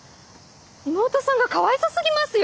妹さんがかわいそすぎますよ。